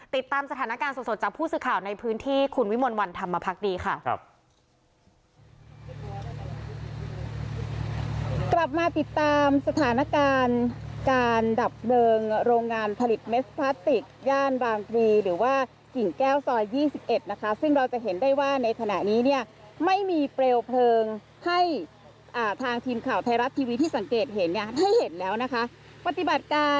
ติดตามสถานการณ์สดจากผู้สื่อข่าวในพื้นที่คุณวิมลวันธรรมพักดีค่ะ